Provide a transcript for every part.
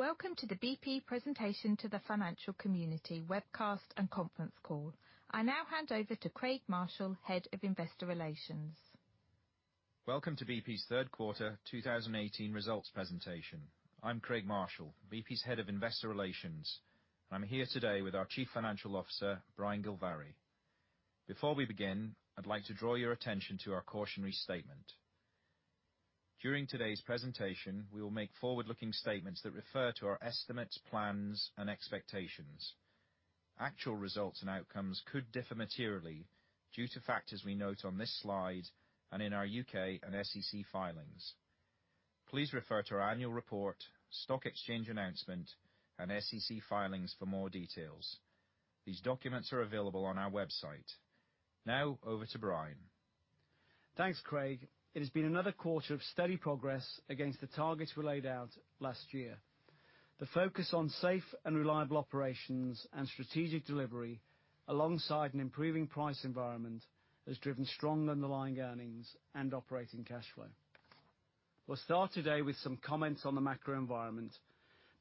Welcome to the BP presentation to the financial community webcast and conference call. I now hand over to Craig Marshall, Head of Investor Relations. Welcome to BP's third quarter 2018 results presentation. I'm Craig Marshall, BP's Head of Investor Relations. I'm here today with our Chief Financial Officer, Brian Gilvary. Before we begin, I'd like to draw your attention to our cautionary statement. During today's presentation, we will make forward-looking statements that refer to our estimates, plans, and expectations. Actual results and outcomes could differ materially due to factors we note on this slide and in our U.K. and SEC filings. Please refer to our annual report, stock exchange announcement, and SEC filings for more details. These documents are available on our website. Now over to Brian. Thanks, Craig. It has been another quarter of steady progress against the targets we laid out last year. The focus on safe and reliable operations and strategic delivery, alongside an improving price environment, has driven strong underlying earnings and operating cashflow. We'll start today with some comments on the macro environment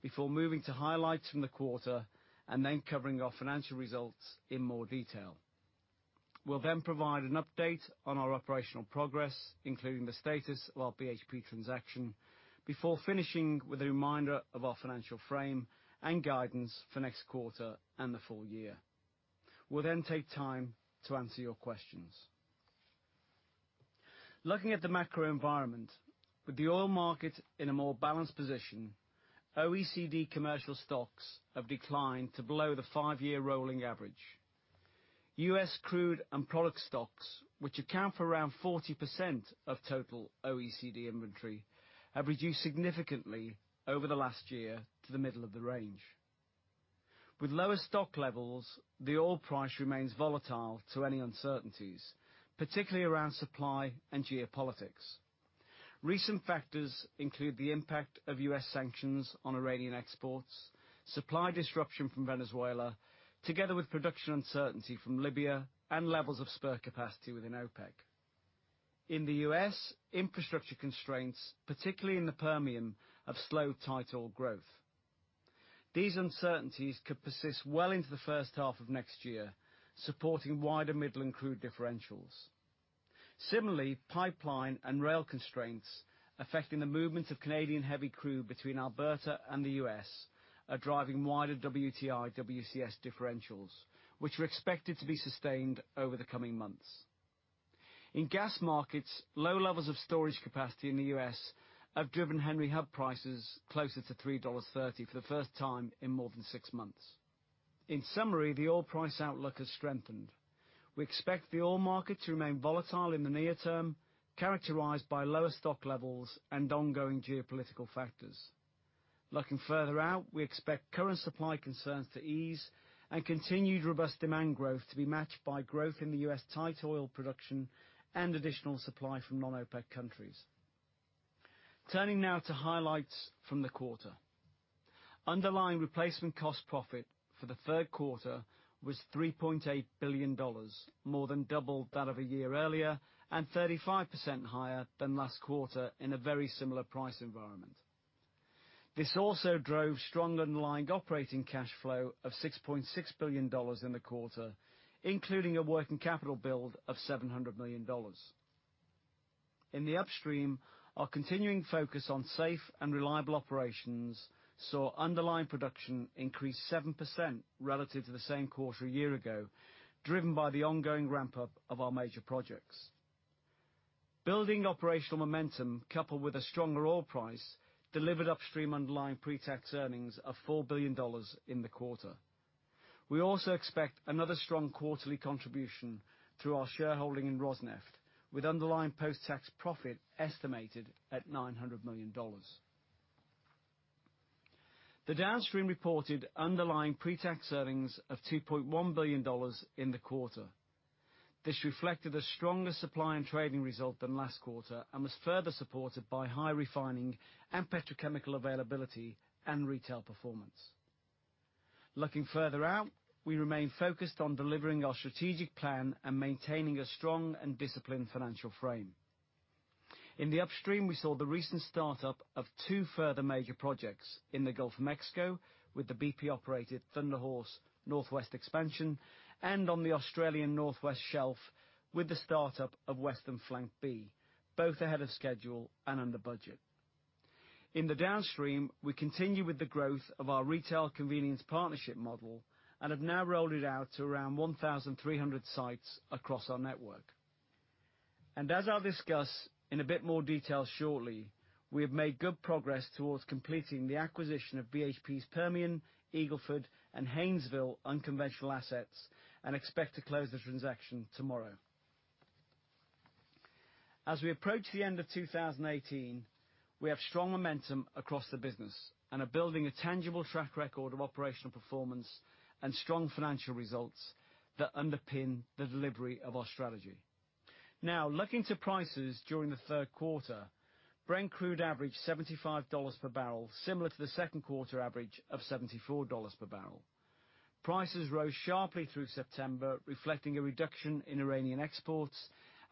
before moving to highlights from the quarter, then covering our financial results in more detail. We'll provide an update on our operational progress, including the status of our BHP transaction, before finishing with a reminder of our financial frame and guidance for next quarter and the full year. We'll take time to answer your questions. Looking at the macro environment, with the oil market in a more balanced position, OECD commercial stocks have declined to below the five-year rolling average. U.S. crude and product stocks, which account for around 40% of total OECD inventory, have reduced significantly over the last year to the middle of the range. With lower stock levels, the oil price remains volatile to any uncertainties, particularly around supply and geopolitics. Recent factors include the impact of U.S. sanctions on Iranian exports, supply disruption from Venezuela, together with production uncertainty from Libya, and levels of spare capacity within OPEC. In the U.S., infrastructure constraints, particularly in the Permian, have slowed tight oil growth. These uncertainties could persist well into the first half of next year, supporting wider Midland crude differentials. Similarly, pipeline and rail constraints affecting the movement of Canadian heavy crude between Alberta and the U.S. are driving wider WTI, WCS differentials, which are expected to be sustained over the coming months. In gas markets, low levels of storage capacity in the U.S. have driven Henry Hub prices closer to $3.30 for the first time in more than six months. In summary, the oil price outlook has strengthened. We expect the oil market to remain volatile in the near term, characterized by lower stock levels and ongoing geopolitical factors. Looking further out, we expect current supply concerns to ease and continued robust demand growth to be matched by growth in the U.S. tight oil production and additional supply from non-OPEC countries. Turning now to highlights from the quarter. Underlying replacement cost profit for the third quarter was $3.8 billion, more than double that of a year earlier, and 35% higher than last quarter in a very similar price environment. This also drove strong underlying operating cashflow of $6.6 billion in the quarter, including a working capital build of $700 million. In the upstream, our continuing focus on safe and reliable operations saw underlying production increase 7% relative to the same quarter a year ago, driven by the ongoing ramp-up of our major projects. Building operational momentum coupled with a stronger oil price delivered upstream underlying pre-tax earnings of $4 billion in the quarter. We also expect another strong quarterly contribution through our shareholding in Rosneft, with underlying post-tax profit estimated at $900 million. The downstream reported underlying pre-tax earnings of $2.1 billion in the quarter. This reflected a stronger supply and trading result than last quarter and was further supported by high refining and petrochemical availability and retail performance. Looking further out, we remain focused on delivering our strategic plan and maintaining a strong and disciplined financial frame. In the upstream, we saw the recent startup of two further major projects in the Gulf of Mexico with the BP-operated Thunder Horse Northwest Expansion and on the Australian North West Shelf with the startup of Western Flank B, both ahead of schedule and under budget. In the downstream, we continue with the growth of our retail convenience partnership model and have now rolled it out to around 1,300 sites across our network. As I'll discuss in a bit more detail shortly, we have made good progress towards completing the acquisition of BHP's Permian, Eagle Ford, and Haynesville unconventional assets and expect to close the transaction tomorrow. As we approach the end of 2018, we have strong momentum across the business and are building a tangible track record of operational performance and strong financial results that underpin the delivery of our strategy. Now, looking to prices during the third quarter, Brent Crude averaged $75/bbl, similar to the second quarter average of $74/bbl. Prices rose sharply through September, reflecting a reduction in Iranian exports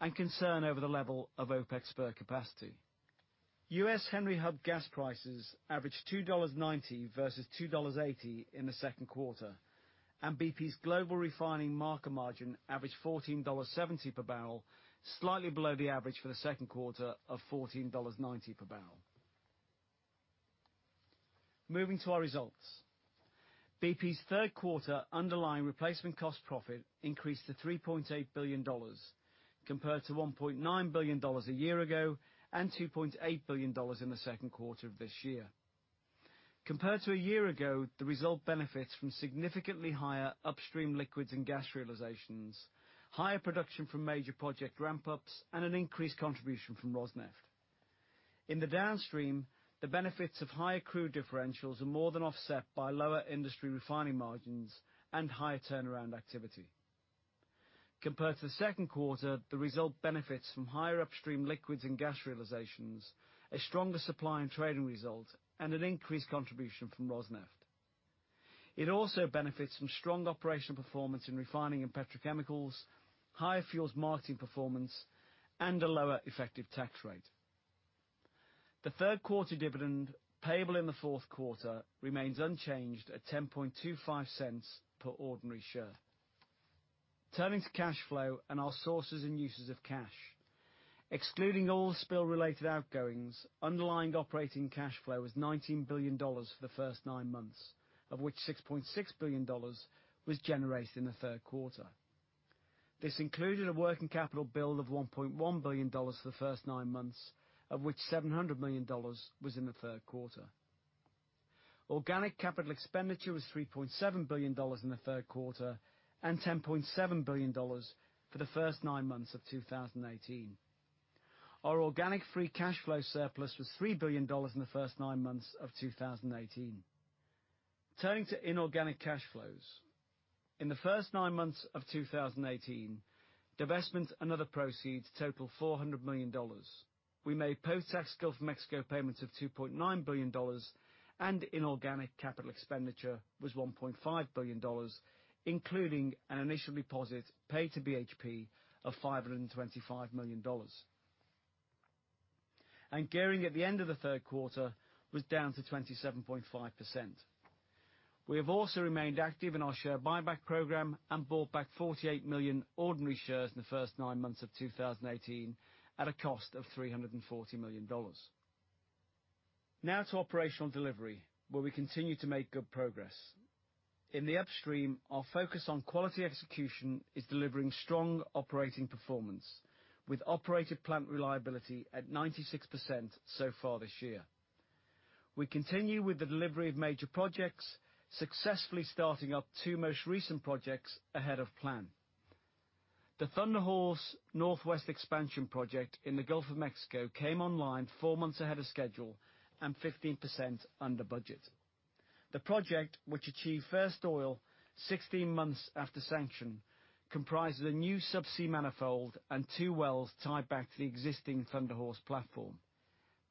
and concern over the level of OPEC spare capacity. U.S. Henry Hub gas prices averaged $2.90 versus $2.80 in the second quarter, and BP's global refining marker margin averaged $14.70/bbl, slightly below the average for the second quarter of $14.90/bbl. Moving to our results. BP's third quarter underlying replacement cost profit increased to $3.8 billion compared to $1.9 billion a year ago and $2.8 billion in the second quarter of this year. Compared to a year ago, the result benefits from significantly higher upstream liquids and gas realizations, higher production from major project ramp-ups, and an increased contribution from Rosneft. In the downstream, the benefits of higher crude differentials are more than offset by lower industry refining margins and higher turnaround activity. Compared to the second quarter, the result benefits from higher upstream liquids and gas realizations, a stronger supply and trading result, and an increased contribution from Rosneft. It also benefits from strong operational performance in refining and petrochemicals, higher fuels marketing performance, and a lower effective tax rate. The third quarter dividend payable in the fourth quarter remains unchanged at $0.1025 per ordinary share. Turning to cash flow and our sources and uses of cash. Excluding all spill-related outgoings, underlying operating cash flow was $19 billion for the first nine months, of which $6.6 billion was generated in the third quarter. This included a working capital build of $1.1 billion for the first nine months, of which $700 million was in the third quarter. Organic capital expenditure was $3.7 billion in the third quarter and $10.7 billion for the first nine months of 2018. Our organic free cash flow surplus was $3 billion in the first nine months of 2018. Turning to inorganic cash flows. In the first nine months of 2018, divestments and other proceeds total $400 million. We made post-tax Gulf of Mexico payments of $2.9 billion, and inorganic capital expenditure was $1.5 billion, including an initial deposit paid to BHP of $525 million. Gearing at the end of the third quarter was down to 27.5%. We have also remained active in our share buyback program and bought back 48 million ordinary shares in the first nine months of 2018 at a cost of $340 million. Now to operational delivery, where we continue to make good progress. In the upstream, our focus on quality execution is delivering strong operating performance with operated plant reliability at 96% so far this year. We continue with the delivery of major projects, successfully starting up two most recent projects ahead of plan. The Thunder Horse Northwest Expansion project in the Gulf of Mexico came online four months ahead of schedule and 15% under budget. The project, which achieved first oil 16 months after sanction, comprises a new subsea manifold and two wells tied back to the existing Thunder Horse platform.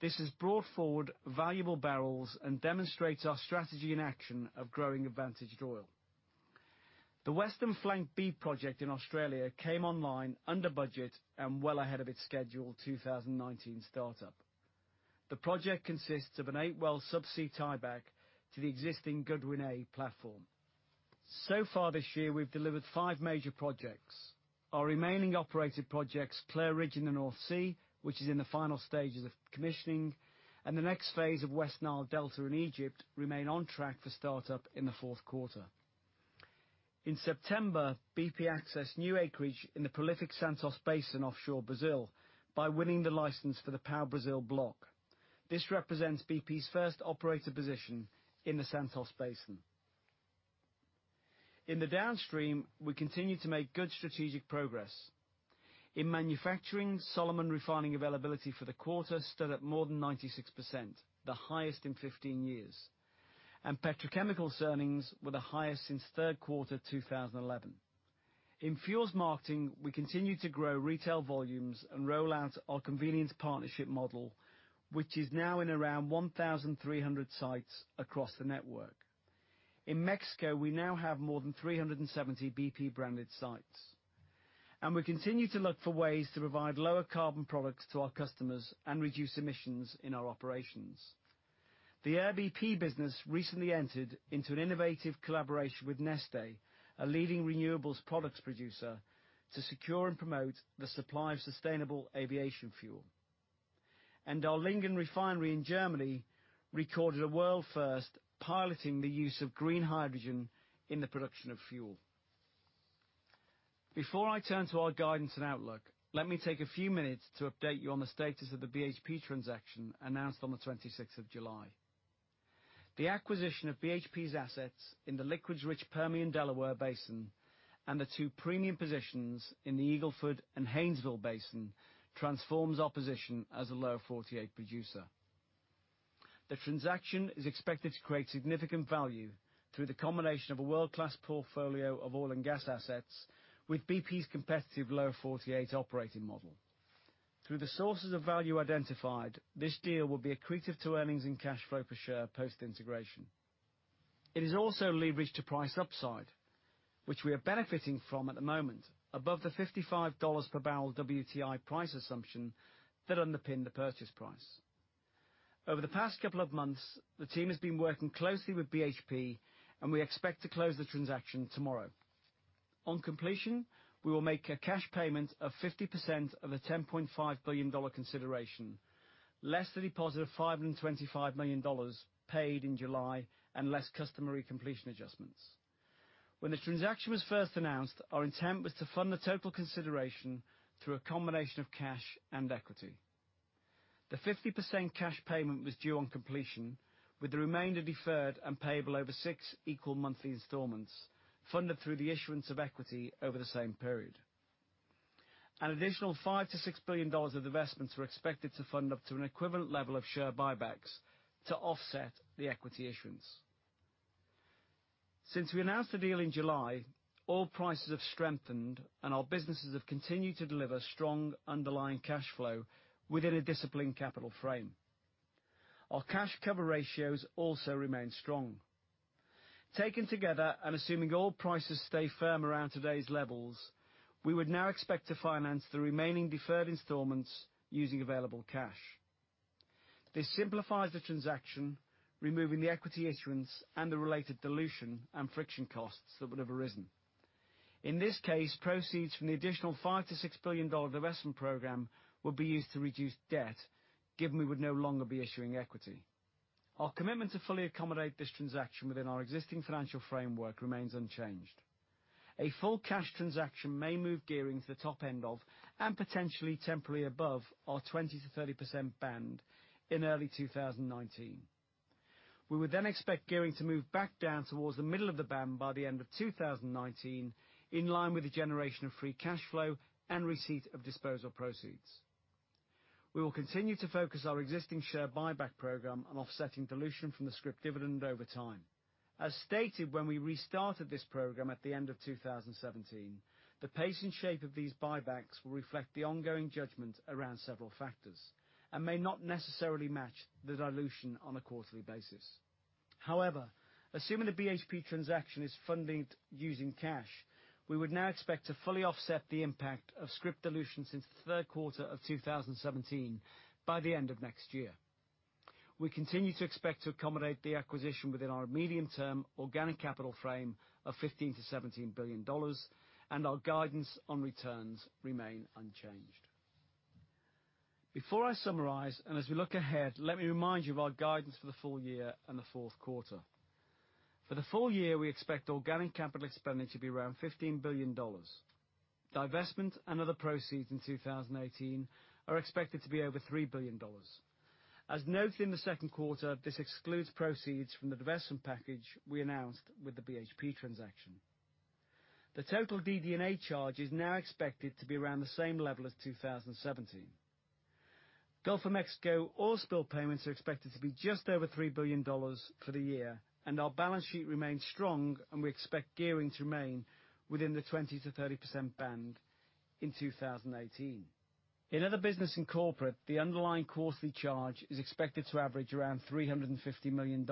This has brought forward valuable barrels and demonstrates our strategy and action of growing advantaged oil. The Western Flank B project in Australia came online under budget and well ahead of its scheduled 2019 startup. The project consists of an eight-well subsea tieback to the existing Goodwyn A platform. So far this year, we've delivered five major projects. Our remaining operated projects, Clair Ridge in the North Sea, which is in the final stages of commissioning, and the next phase of West Nile Delta in Egypt remain on track for startup in the fourth quarter. In September, BP accessed new acreage in the prolific Santos Basin offshore Brazil by winning the license for the Pau Brasil block. This represents BP's first operator position in the Santos Basin. In the downstream, we continue to make good strategic progress. In manufacturing, Solomon Refining availability for the quarter stood at more than 96%, the highest in 15 years, and petrochemicals earnings were the highest since third quarter 2011. In fuels marketing, we continue to grow retail volumes and roll out our convenience partnership model, which is now in around 1,300 sites across the network. In Mexico, we now have more than 370 BP-branded sites, and we continue to look for ways to provide lower carbon products to our customers and reduce emissions in our operations. The Air BP business recently entered into an innovative collaboration with Neste, a leading renewables products producer, to secure and promote the supply of sustainable aviation fuel. Our Lingen Refinery in Germany recorded a world first, piloting the use of green hydrogen in the production of fuel. Before I turn to our guidance and outlook, let me take a few minutes to update you on the status of the BHP transaction announced on the 26th of July. The acquisition of BHP's assets in the liquids-rich Permian Delaware Basin and the two premium positions in the Eagle Ford and Haynesville Basin transforms our position as a Lower 48 producer. The transaction is expected to create significant value through the combination of a world-class portfolio of oil and gas assets with BP's competitive Lower 48 operating model. Through the sources of value identified, this deal will be accretive to earnings and cash flow per share, post-integration. It is also leveraged to price upside, which we are benefiting from at the moment above the $55/ bbl WTI price assumption that underpinned the purchase price. Over the past couple of months, the team has been working closely with BHP, and we expect to close the transaction tomorrow. On completion, we will make a cash payment of 50% of the $10.5 billion consideration, less the deposit of $525 million paid in July, and less customary completion adjustments. When the transaction was first announced, our intent was to fund the total consideration through a combination of cash and equity. The 50% cash payment was due on completion, with the remainder deferred and payable over six equal monthly installments, funded through the issuance of equity over the same period. An additional $5 billion-$6 billion of investments are expected to fund up to an equivalent level of share buybacks to offset the equity issuance. Since we announced the deal in July, oil prices have strengthened, and our businesses have continued to deliver strong underlying cash flow within a disciplined capital frame. Our cash cover ratios also remain strong. Taken together, and assuming oil prices stay firm around today's levels, we would now expect to finance the remaining deferred installments using available cash. This simplifies the transaction, removing the equity issuance and the related dilution and friction costs that would have arisen. In this case, proceeds from the additional $5 billion-$6 billion divestment program will be used to reduce debt, given we would no longer be issuing equity. Our commitment to fully accommodate this transaction within our existing financial framework remains unchanged. A full cash transaction may move gearing to the top end of, and potentially temporarily above, our 20%-30% band in early 2019. We would then expect gearing to move back down towards the middle of the band by the end of 2019, in line with the generation of free cash flow and receipt of disposal proceeds. We will continue to focus our existing share buyback program on offsetting dilution from the scrip dividend over time. As stated when we restarted this program at the end of 2017, the pace and shape of these buybacks will reflect the ongoing judgment around several factors and may not necessarily match the dilution on a quarterly basis. Assuming the BHP transaction is funded using cash, we would now expect to fully offset the impact of scrip dilution since the third quarter of 2017, by the end of next year. We continue to expect to accommodate the acquisition within our medium-term organic capital frame of $15 billion-$17 billion, and our guidance on returns remain unchanged. Before I summarize, and as we look ahead, let me remind you of our guidance for the full year and the fourth quarter. For the full year, we expect organic capital expenditure to be around $15 billion. Divestment and other proceeds in 2018 are expected to be over $3 billion. As noted in the second quarter, this excludes proceeds from the divestment package we announced with the BHP transaction. The total DD&A charge is now expected to be around the same level as 2017. Gulf of Mexico oil spill payments are expected to be just over $3 billion for the year, and our balance sheet remains strong, and we expect gearing to remain within the 20%-30% band in 2018. In other business and corporate, the underlying quarterly charge is expected to average around $350 million.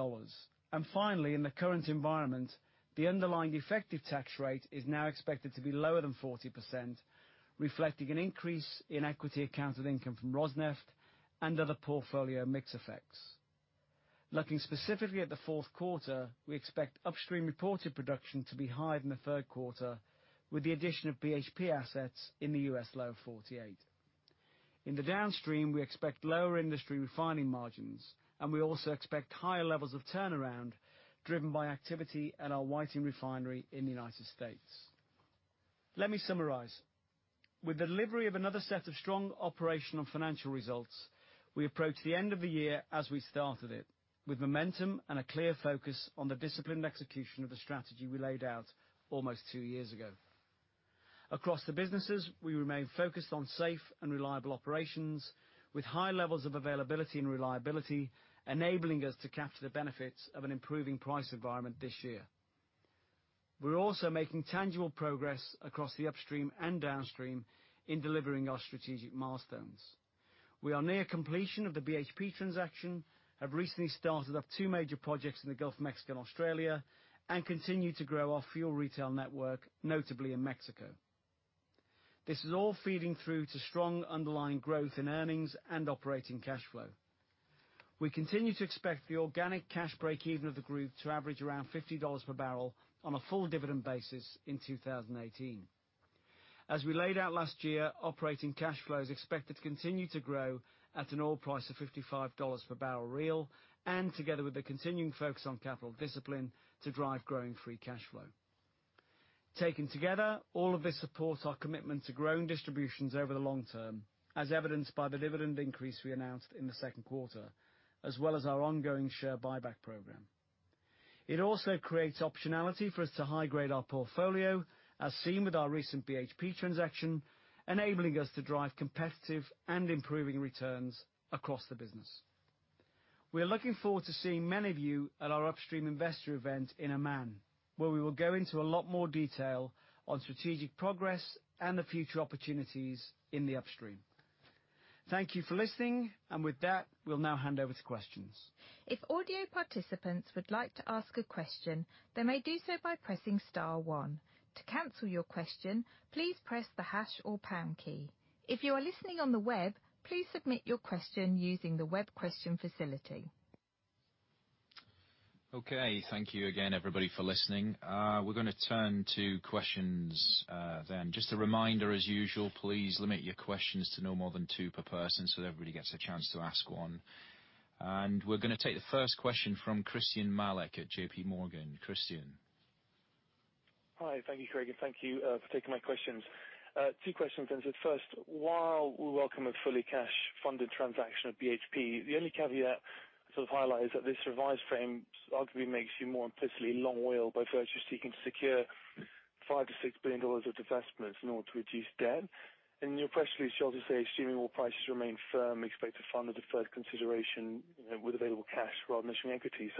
Finally, in the current environment, the underlying effective tax rate is now expected to be lower than 40%, reflecting an increase in equity-accounted income from Rosneft and other portfolio mix effects. Looking specifically at the fourth quarter, we expect upstream reported production to be higher than the third quarter, with the addition of BHP assets in the U.S. Lower 48. In the downstream, we expect lower industry refining margins, and we also expect higher levels of turnaround, driven by activity at our Whiting Refinery in the U.S. Let me summarize. With the delivery of another set of strong operational financial results, we approach the end of the year as we started it, with momentum and a clear focus on the disciplined execution of the strategy we laid out almost two years ago. Across the businesses, we remain focused on safe and reliable operations with high levels of availability and reliability, enabling us to capture the benefits of an improving price environment this year. We're also making tangible progress across the upstream and downstream in delivering our strategic milestones. We are near completion of the BHP transaction, have recently started up two major projects in the Gulf of Mexico and Australia, and continue to grow our fuel retail network, notably in Mexico. This is all feeding through to strong underlying growth in earnings and operating cash flow. We continue to expect the organic cash breakeven of the group to average around $50/bbl on a full dividend basis in 2018. As we laid out last year, operating cash flow is expected to continue to grow at an oil price of $55/bbl, and together with a continuing focus on capital discipline to drive growing free cash flow. Taken together, all of this supports our commitment to growing distributions over the long term, as evidenced by the dividend increase we announced in the second quarter, as well as our ongoing share buyback program. It also creates optionality for us to high-grade our portfolio, as seen with our recent BHP transaction, enabling us to drive competitive and improving returns across the business. We're looking forward to seeing many of you at our upstream investor event in Oman, where we will go into a lot more detail on strategic progress and the future opportunities in the upstream. Thank you for listening. With that, we'll now hand over to questions. If audio participants would like to ask a question, they may do so by pressing star one. To cancel your question, please press the hash or pound key. If you are listening on the web, please submit your question using the web question facility. Okay. Thank you again, everybody, for listening. We're gonna turn to questions then. Just a reminder, as usual, please limit your questions to no more than two per person so that everybody gets a chance to ask one. We're gonna take the first question from Christyan Malek at J.P. Morgan. Christyan. Hi, thank you, Craig, and thank you for taking my questions. Two questions. First, while we welcome a fully cash-funded transaction at BHP, the only caveat to sort of highlight is that this revised frame arguably makes you more implicitly long oil by virtue of seeking to secure $5 billion-$6 billion of divestments in order to reduce debt. In your press release, you also say assuming oil prices remain firm, expect to fund the deferred consideration, you know, with available cash rather than issuing equity.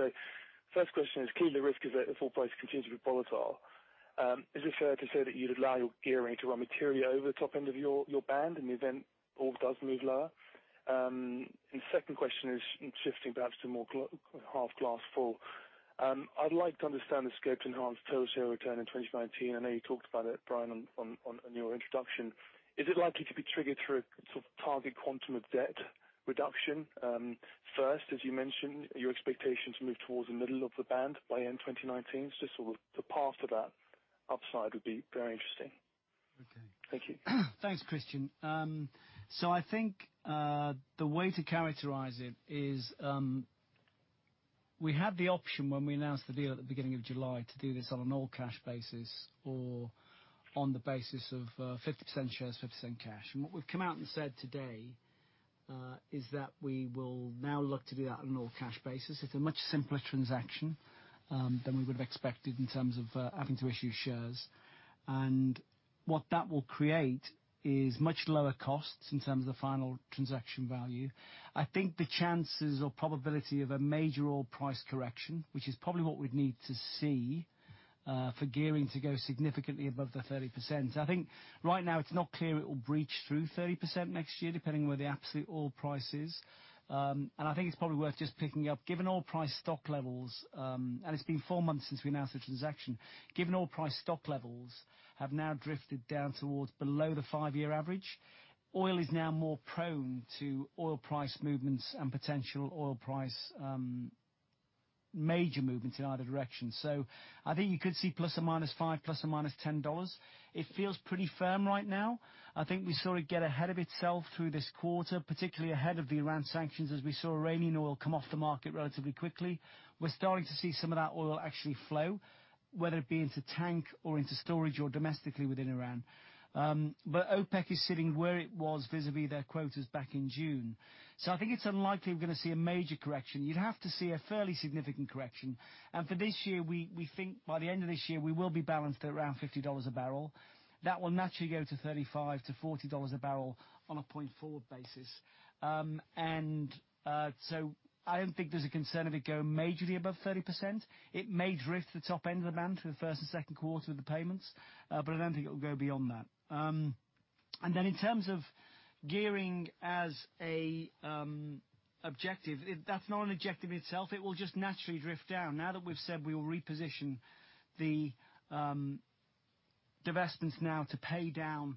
First question is, clearly the risk is that if oil price continues to be volatile, is it fair to say that you'd allow your gearing to run material over the top end of your band in the event oil does move lower? Second question is shifting perhaps to more half glass full. I'd like to understand the scope to enhance total share return in 2019. I know you talked about it, Brian, on, on your introduction. Is it likely to be triggered through a sort of target quantum of debt reduction, first, as you mentioned, your expectation to move towards the middle of the band by end 2019? Just sort of the path of that upside would be very interesting. Okay. Thank you. Thanks, Christyan. I think the way to characterize it is, we had the option when we announced the deal at the beginning of July to do this on an all-cash basis or on the basis of 50% shares, 50% cash. What we've come out and said today is that we will now look to do that on an all-cash basis. It's a much simpler transaction than we would have expected in terms of having to issue shares. What that will create is much lower costs in terms of the final transaction value. I think the chances or probability of a major oil price correction, which is probably what we'd need to see, for gearing to go significantly above the 30%. I think right now it's not clear it will breach through 30% next year, depending where the absolute oil price is. I think it's probably worth just picking up. Given oil price stock levels, it's been four months since we announced the transaction. Given oil price stock levels have now drifted down towards below the five-year average, oil is now more prone to oil price movements and potential oil price major movements in either direction. I think you could see ±$5, ±$10. It feels pretty firm right now. I think we saw it get ahead of itself through this quarter, particularly ahead of the Iran sanctions, as we saw Iranian oil come off the market relatively quickly. We're starting to see some of that oil actually flow, whether it be into tank or into storage or domestically within Iran. OPEC is sitting where it was vis-a-vis their quotas back in June. I think it's unlikely we're gonna see a major correction. You'd have to see a fairly significant correction. For this year, we think by the end of this year, we will be balanced at around $50/bbl. That will naturally go to $35/bbl-$40/bbl on a point forward basis. I don't think there's a concern of it going majorly above 30%. It may drift the top end of the band through the first and second quarter of the payments, I don't think it will go beyond that. In terms of gearing as an objective, that's not an objective in itself. It will just naturally drift down. Now that we've said we will reposition the divestments now to pay down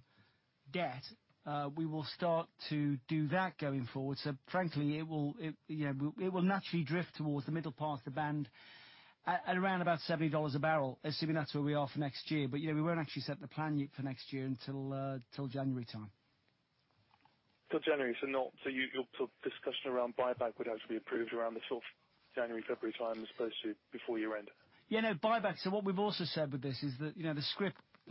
debt, we will start to do that going forward. Frankly, it will, you know, it will naturally drift towards the middle part of the band at around about $70/bbl, assuming that's where we are for next year. You know, we won't actually set the plan yet for next year till January time. Till January. Not, your sort of discussion around buyback would actually be approved around the sort of January, February time as opposed to before year-end? Yeah, no, buyback. What we've also said with this is that, you know, the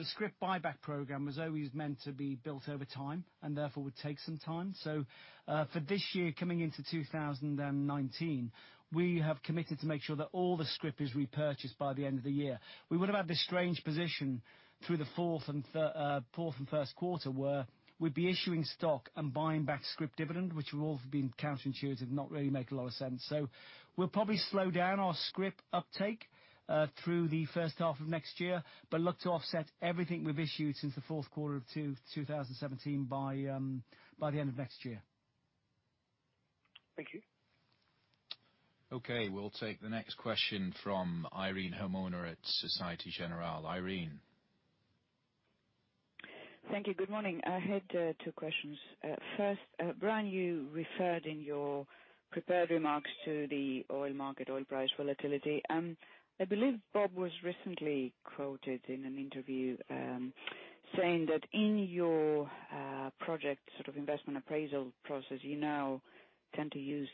scrip buyback program was always meant to be built over time and therefore would take some time. For this year, coming into 2019, we have committed to make sure that all the scrip is repurchased by the end of the year. We would have had this strange position through the fourth and first quarter, where we'd be issuing stock and buying back scrip dividend, which would all have been counterintuitive, not really make a lot of sense. We'll probably slow down our scrip uptake through the first half of next year, but look to offset everything we've issued since the fourth quarter of 2017 by the end of next year. Thank you. Okay, we'll take the next question from Irene Himona at Société Générale. Irene. Thank you. Good morning. I had two questions. First, Brian, you referred in your prepared remarks to the oil market, oil price volatility. I believe Bob was recently quoted in an interview, saying that in your project sort of investment appraisal process, you now tend to use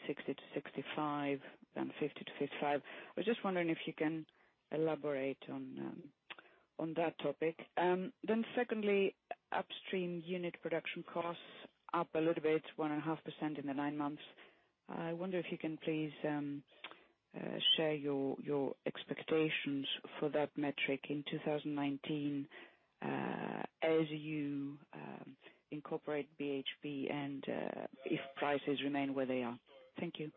$60-$65 than $50-$55. I was just wondering if you can elaborate on that topic. Secondly, upstream unit production costs up a little bit, 1.5% in the nine months. I wonder if you can please share your expectations for that metric in 2019, as you incorporate BHP and if prices remain where they are. Thank you.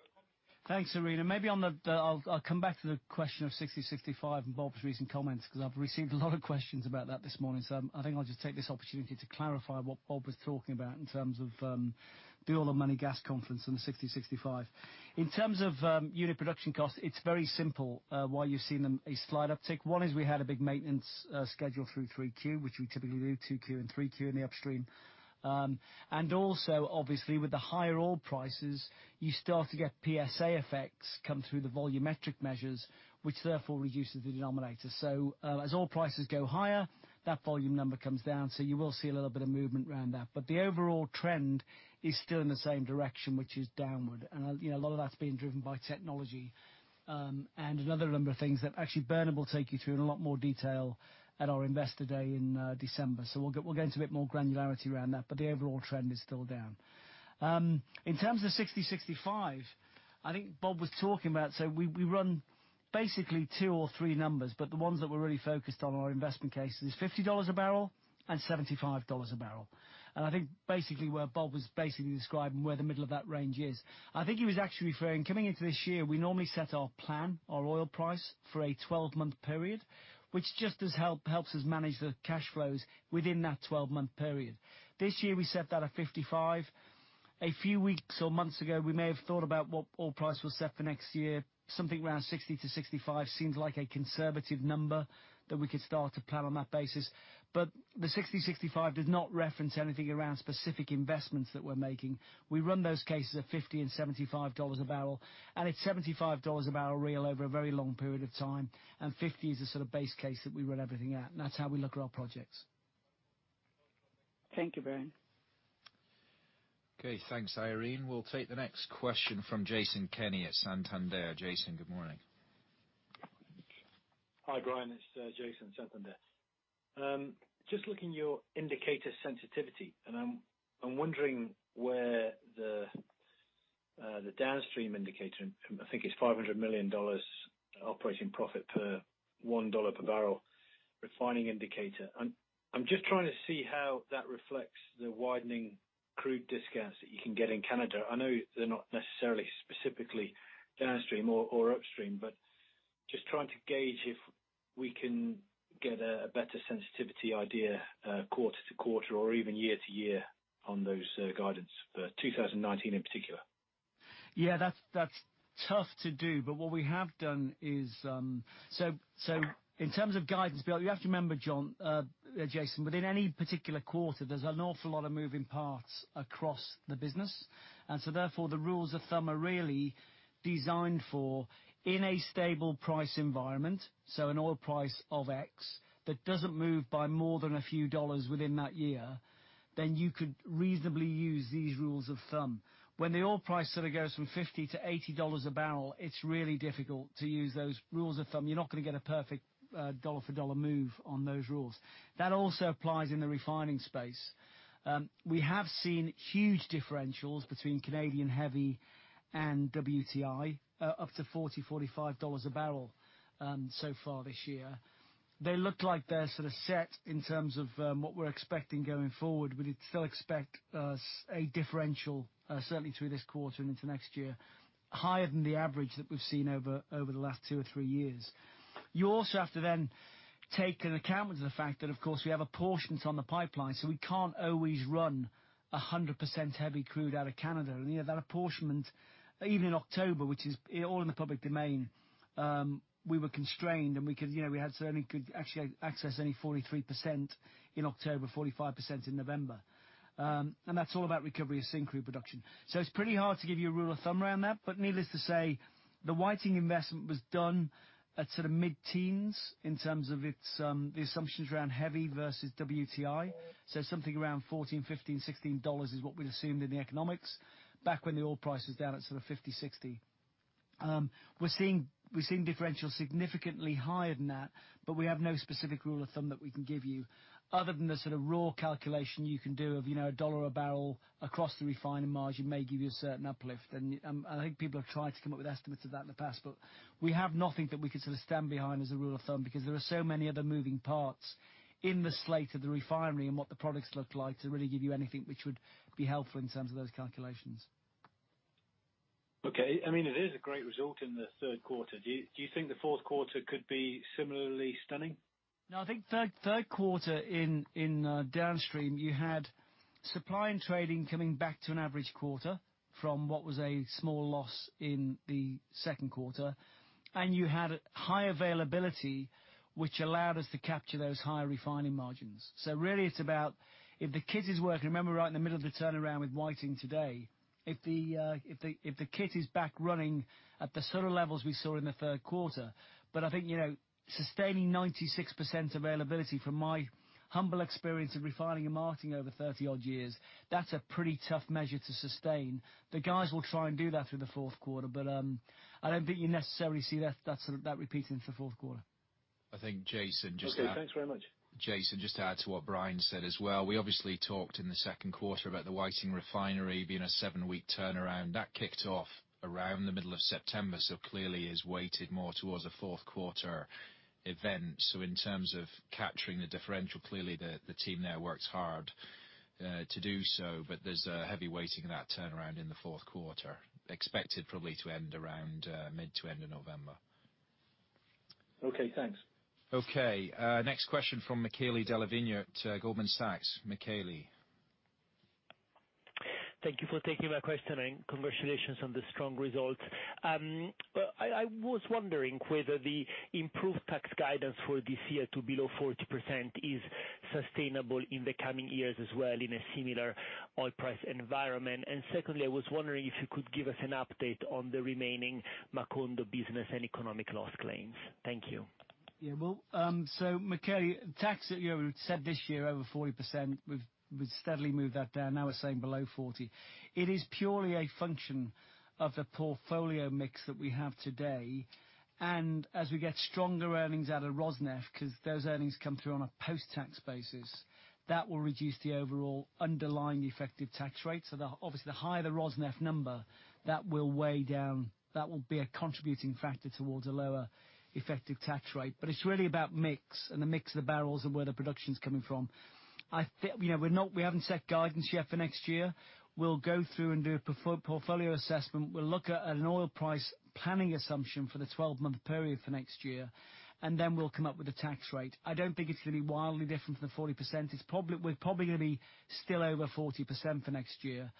Thanks, Irene. Maybe I'll come back to the question of 60/65 and Bob's recent comments, 'cause I've received a lot of questions about that this morning. I think I'll just take this opportunity to clarify what Bob was talking about in terms of the Oil and Money Conference and the 60/65. In terms of unit production costs, it's very simple why you've seen them a slight uptick. One is we had a big maintenance schedule through Q3, which we typically do, Q2 and Q3 in the upstream. Also obviously with the higher oil prices, you start to get PSA effects come through the volumetric measures, which therefore reduces the denominator. As oil prices go higher, that volume number comes down. You will see a little bit of movement around that. The overall trend is still in the same direction, which is downward. You know, a lot of that's being driven by technology, and another number of things that actually Bernard will take you through in a lot more detail at our Investor Day in December. We'll get into a bit more granularity around that, but the overall trend is still down. In terms of 60/65, I think Bob was talking about, we run basically two or three numbers. The ones that we're really focused on our investment case is $50/bbl and $75/bbl. I think basically where Bob was describing where the middle of that range is. I think he was actually referring, coming into this year, we normally set our plan, our oil price for a 12-month period, which just helps us manage the cash flows within that 12-month period. This year we set that at 55. A few weeks or months ago, we may have thought about what oil price was set for next year. Something around 60/65 seems like a conservative number that we could start to plan on that basis. The 60/65 does not reference anything around specific investments that we're making. We run those cases at $50/bbl and $75/bbl, and it's $75/bbl real over a very long period of time, and $50 is the sort of base case that we run everything at. That's how we look at our projects. Thank you, Brian. Okay, thanks, Irene. We'll take the next question from Jason Kenney at Santander. Jason, good morning. Hi, Brian. It's Jason at Santander. Just looking your indicator sensitivity, and I'm wondering where the downstream indicator, I think it's $500 million operating profit per $1/bbl refining indicator. I'm just trying to see how that reflects the widening crude discounts that you can get in Canada. I know they're not necessarily specifically downstream or upstream, but just trying to gauge if we can get a better sensitivity idea, quarter to quarter or even year to year on those guidance for 2019 in particular. Yeah, that's tough to do. What we have done is, in terms of guidance bill, you have to remember, Jason, within any particular quarter, there's an awful lot of moving parts across the business. Therefore, the rules of thumb are really designed for in a stable price environment, so an oil price of X that doesn't move by more than a few dollars within that year, then you could reasonably use these rules of thumb. When the oil price sort of goes from $50/bbl-$80/bbl, it's really difficult to use those rules of thumb. You're not gonna get a perfect dollar for dollar move on those rules. That also applies in the refining space. We have seen huge differentials between Canadian heavy and WTI, up to $40/bbl-$45/bbl so far this year. They look like they're sort of set in terms of what we're expecting going forward. We still expect a differential certainly through this quarter and into next year, higher than the average that we've seen over the last two or three years. You also have to take an account into the fact that, of course, we have apportionments on the pipeline, so we can't always run 100% heavy crude out of Canada. You know, that apportionment, even in October, which is all in the public domain, we were constrained, and we could actually access only 43% in October, 45% in November. That's all about recovery of Syncrude production. It's pretty hard to give you a rule of thumb around that. Needless to say, the Whiting investment was done at sort of mid-teens in terms of its the assumptions around heavy versus WTI. Something around $14, $15, $16 is what we'd assumed in the economics back when the oil price was down at sort of $50, $60. We're seeing differentials significantly higher than that, but we have no specific rule of thumb that we can give you other than the sort of raw calculation you can do of, you know, $1/bbl across the refining margin may give you a certain uplift. I think people have tried to come up with estimates of that in the past, but we have nothing that we could sort of stand behind as a rule of thumb because there are so many other moving parts in the slate of the refinery and what the products look like to really give you anything which would be helpful in terms of those calculations. Okay. I mean, it is a great result in the third quarter. Do you think the fourth quarter could be similarly stunning? No, I think third quarter in downstream, you had supply and trading coming back to an average quarter from what was a small loss in the second quarter. You had high availability which allowed us to capture those higher refining margins. Really it's about if the kit is working, remember we're right in the middle of the turnaround with Whiting today. If the kit is back running at the sort of levels we saw in the third quarter. I think, you know, sustaining 96% availability from my humble experience of refining and marketing over 30-odd years, that's a pretty tough measure to sustain. The guys will try and do that through the fourth quarter, but I don't think you necessarily see that sort of, that repeating through fourth quarter. I think Jason. Okay, thanks very much. Jason, just to add to what Brian said as well. We obviously talked in the second quarter about the Whiting Refinery being a seven-week turnaround. That kicked off around the middle of September, clearly is weighted more towards a fourth quarter event. In terms of capturing the differential, clearly the team there works hard to do so, but there's a heavy weighting in that turnaround in the fourth quarter. Expected probably to end around mid to end of November. Okay, thanks. Okay. next question from Michele Della Vigna at Goldman Sachs. Michele. Thank you for taking my question, and congratulations on the strong results. I was wondering whether the improved tax guidance for this year to below 40% is sustainable in the coming years as well in a similar oil price environment. Secondly, I was wondering if you could give us an update on the remaining Macondo business and economic loss claims. Thank you. Yeah. Well, Michele, tax, you know, we've said this year over 40%. We've steadily moved that down. Now we're saying below 40%. It is purely a function of the portfolio mix that we have today. As we get stronger earnings out of Rosneft, 'cause those earnings come through on a post-tax basis, that will reduce the overall underlying effective tax rate. The, obviously, the higher the Rosneft number, that will weigh down, that will be a contributing factor towards a lower effective tax rate. It's really about mix and the mix of the barrels and where the production's coming from. You know, we're not, we haven't set guidance yet for next year. We'll go through and do a portfolio assessment. We'll look at an oil price planning assumption for the 12-month period for next year, and then we'll come up with a tax rate. I don't think it's gonna be wildly different from the 40%. We're probably gonna be still over 40% for next year.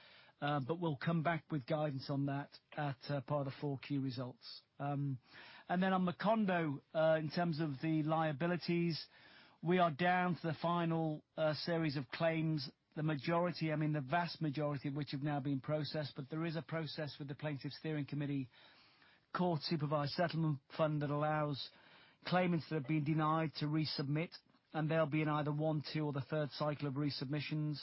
We'll come back with guidance on that at part of the full Q results. Then on Macondo, in terms of the liabilities, we are down to the final series of claims. The majority, the vast majority of which have now been processed. There is a process with the Plaintiffs' Steering Committee, court-supervised settlement fund that allows claimants that have been denied to resubmit, and they'll be in either one, two, or the third cycle of resubmissions.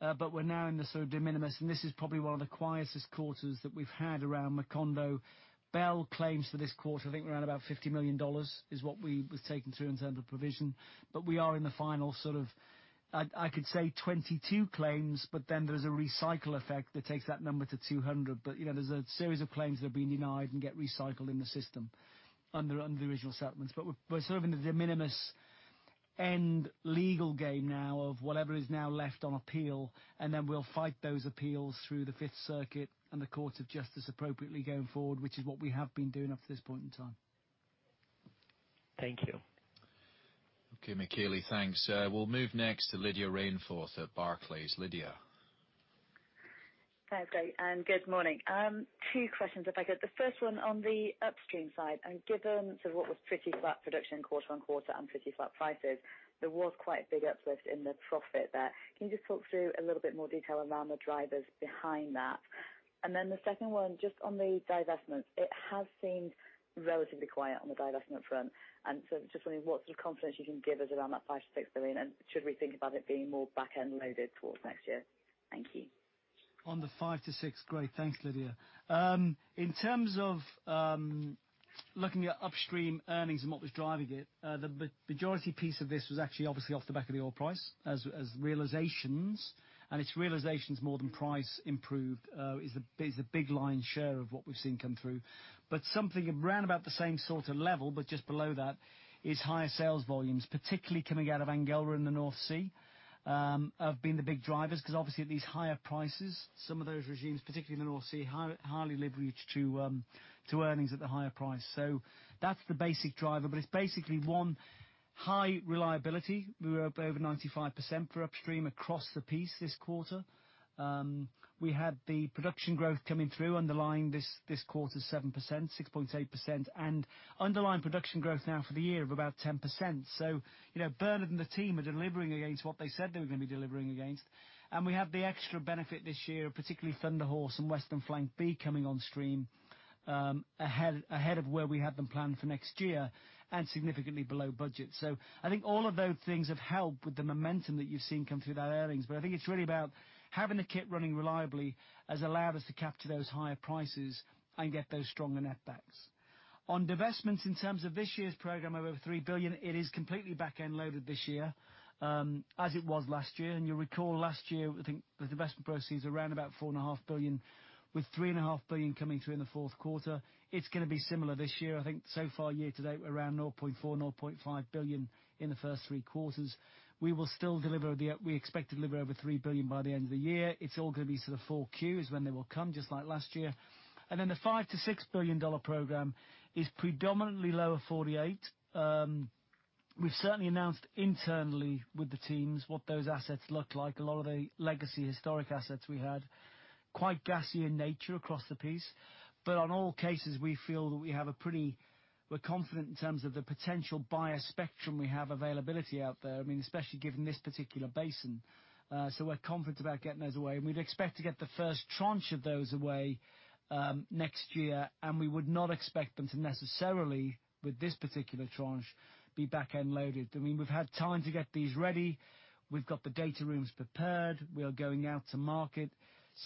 We're now in the sort of de minimis, and this is probably one of the quietest quarters that we've had around Macondo. BEL claims for this quarter, I think around about $50 million is what was taken through in terms of provision. We are in the final sort of, I could say 22 claims, but then there's a recycle effect that takes that number to 200. You know, there's a series of claims that have been denied and get recycled in the system under the original settlements. We're sort of in the de minimis end legal game now of whatever is now left on appeal, and then we'll fight those appeals through the Fifth Circuit and the Court of Justice appropriately going forward, which is what we have been doing up to this point in time. Thank you. Okay. Michele, thanks. We'll move next to Lydia Rainforth at Barclays. Lydia. Sounds great. Good morning. Two questions if I could. The first one on the upstream side, and given sort of what was pretty flat production quarter-on-quarter and pretty flat prices, there was quite a big uplift in the profit there. Can you just talk through a little bit more detail around the drivers behind that? The second one, just on the divestments. It has seemed relatively quiet on the divestment front. Just wondering what sort of confidence you can give us around that $5 billion-$6 billion, and should we think about it being more back-end loaded towards next year? Thank you. On the $5 billion-$6 billion, great. Thanks, Lydia. In terms of looking at upstream earnings and what was driving it, the majority piece of this was actually obviously off the back of the oil price as realizations. It's realizations more than price improved is the big lion share of what we've seen come through. Something around about the same sort of level, but just below that is higher sales volumes, particularly coming out of Angola and the North Sea have been the big drivers. 'Cause obviously at these higher prices, some of those regimes, particularly in the North Sea, highly leveraged to earnings at the higher price. That's the basic driver. It's basically one, high reliability. We were up over 95% for upstream across the piece this quarter. We had the production growth coming through underlying this quarter, 7%, 6.8%. Underlying production growth now for the year of about 10%. You know, Bernard and the team are delivering against what they said they were gonna be delivering against. We have the extra benefit this year of particularly Thunder Horse and Western Flank B coming on stream, ahead of where we had them planned for next year and significantly below budget. I think all of those things have helped with the momentum that you've seen come through that earnings. I think it's really about having the kit running reliably has allowed us to capture those higher prices and get those stronger net backs. On divestments, in terms of this year's program of over $3 billion, it is completely back-end loaded this year, as it was last year. You'll recall last year, I think the divestment proceeds around about $4.5 billion, with $3.5 billion coming through in the fourth quarter. It's gonna be similar this year. I think so far year to date, we're around $0.4 billion-$0.5 billion in the first three quarters. We expect to deliver over $3 billion by the end of the year. It's all gonna be sort of Q4 is when they will come, just like last year. The $5 billion-$6 billion program is predominantly Lower 48. We've certainly announced internally with the teams what those assets look like, a lot of the legacy historic assets we had. Quite gassy in nature across the piece. On all cases, we feel that we have a pretty, we're confident in terms of the potential buyer spectrum we have availability out there, I mean, especially given this particular basin. We're confident about getting those away, and we'd expect to get the first tranche of those away next year. We would not expect them to necessarily, with this particular tranche, be back-end loaded. I mean, we've had time to get these ready. We've got the data rooms prepared. We are going out to market.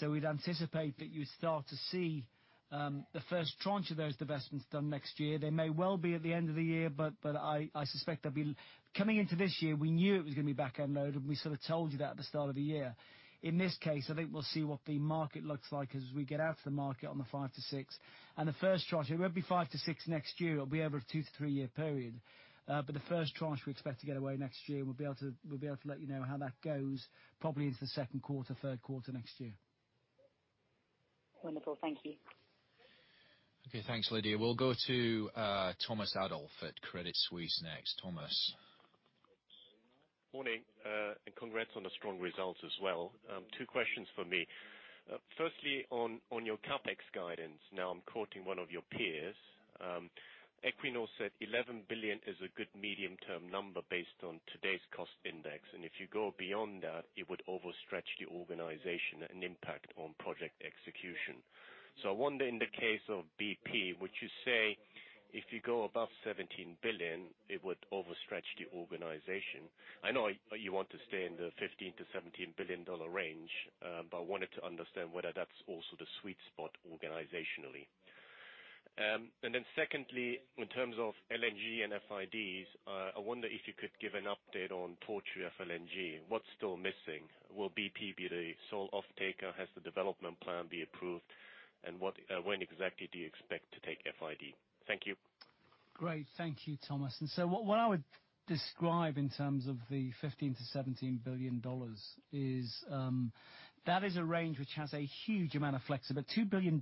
We'd anticipate that you'd start to see the first tranche of those divestments done next year. They may well be at the end of the year, but I suspect they'll be. Coming into this year, we knew it was gonna be back-end loaded, and we sort of told you that at the start of the year. In this case, I think we'll see what the market looks like as we get out to the market on the $5 billion-$6 billion. The first tranche, it won't be $5 billion-$6 billion next year. It'll be over a two to three year period. The first tranche we expect to get away next year. We'll be able to let you know how that goes probably into the second quarter, third quarter next year. Wonderful. Thank you. Okay. Thanks, Lydia. We'll go to Thomas Adolff at Credit Suisse next. Thomas. Morning, congrats on the strong results as well. Two questions for me. Firstly on your CapEx guidance. I'm quoting one of your peers. Equinor said $11 billion is a good medium-term number based on today's cost index, if you go beyond that, it would overstretch the organization and impact on project execution. I wonder in the case of BP, would you say if you go above $17 billion, it would overstretch the organization? I know you want to stay in the $15 billion-$17 billion range, wanted to understand whether that's also the sweet spot organizationally. Secondly, in terms of LNG and FIDs, I wonder if you could give an update on Tortue FLNG, what's still missing? Will BP be the sole offtaker? Has the development plan been approved? What, when exactly do you expect to take FID? Thank you. Great. Thank you, Thomas. What, what I would describe in terms of the $15 billion-$17 billion is, that is a range which has a huge amount of flexibility. $2 billion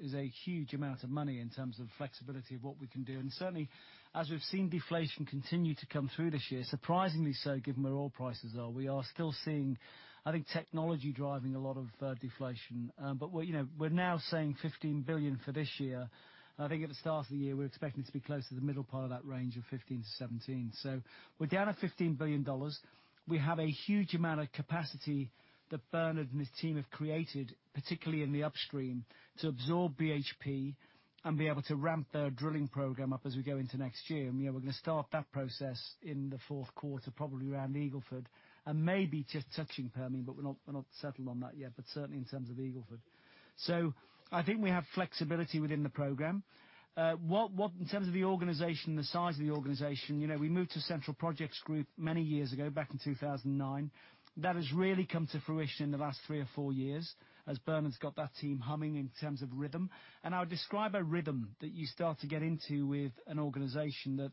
is a huge amount of money in terms of flexibility of what we can do. Certainly, as we've seen deflation continue to come through this year, surprisingly so given where oil prices are. We are still seeing, I think, technology driving a lot of deflation. But we're, you know, we're now saying $15 billion for this year. I think at the start of the year, we were expecting it to be closer to the middle part of that range of $15 billion-$17 billion. We're down at $15 billion. We have a huge amount of capacity that Bernard and his team have created, particularly in the upstream, to absorb BHP and be able to ramp their drilling program up as we go into next year. Yeah, we're gonna start that process in the fourth quarter, probably around Eagle Ford, and maybe just touching Permian, but we're not settled on that yet, certainly in terms of Eagle Ford. I think we have flexibility within the program. In terms of the organization, the size of the organization, you know, we moved to central projects group many years ago, back in 2009. That has really come to fruition in the last three or four years as Bernard's got that team humming in terms of rhythm. I would describe a rhythm that you start to get into with an organization that